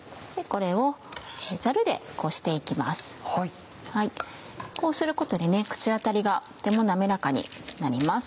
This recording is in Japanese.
こうすることで口当たりがとても滑らかになります。